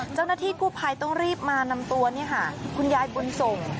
เจ้าหน้าที่กู้ภัยต้องรีบมานำตัวคุณยายบุญส่ง